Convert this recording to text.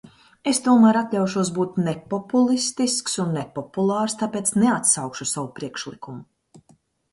Es tomēr atļaušos būt nepopulistisks un nepopulārs, tāpēc neatsaukšu savu priekšlikumu.